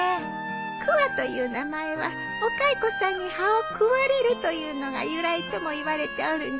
桑という名前はお蚕さんに葉を食われるというのが由来ともいわれておるんじゃよ。